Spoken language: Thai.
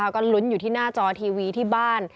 ก็ลุ้นอยู่ที่หน้าจอทีวีที่บ้าน